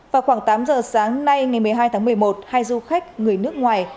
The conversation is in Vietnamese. vào khoảng tám giờ sáng nay ngày một mươi hai tháng một mươi một hai du khách người nước ngoài